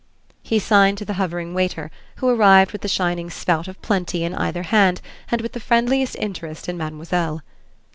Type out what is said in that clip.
He signed to the hovering waiter, who arrived with the shining spout of plenty in either hand and with the friendliest interest in mademoiselle.